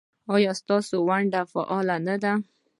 ایا ستاسو ونډه فعاله نه ده؟